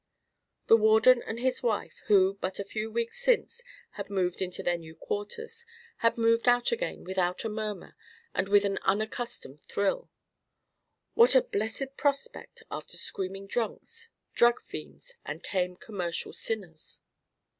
The Warden and his wife, who but a few weeks since had moved into their new quarters, had moved out again without a murmur and with an unaccustomed thrill. What a blessed prospect after screaming drunks, drug fiends and tame commercial sinners!